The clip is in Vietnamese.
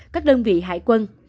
các đơn vị hải quân